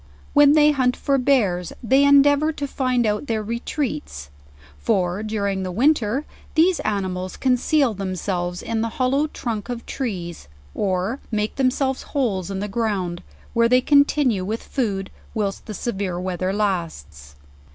When they hunt for bears, they endeavor to find out their retreats; for during the winter, these animals conceal them selves in the hollow trunk of trees, or make themselves holes in the ground, where they continue with food, whilst the se vere weather lasts.